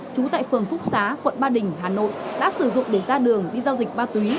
trú tại phường phúc xá quận ba đình hà nội đã sử dụng để ra đường đi giao dịch ma túy